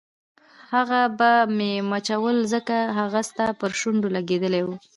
هغه به مې مچول ځکه هغه ستا پر شونډو لګېدلي وو.